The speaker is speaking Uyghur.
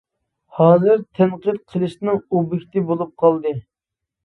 ھازىر تەنقىد قىلىشنىڭ ئوبيېكتى بولۇپ قالدى.